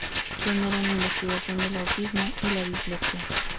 Pionera en la investigación del autismo y la dislexia.